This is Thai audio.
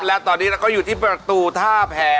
และตอนนี้เราก็อยู่ที่ประตูท่าแผ่